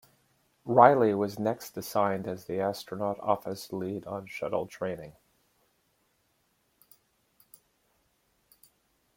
Reilly was next assigned as the Astronaut Office lead on Shuttle training.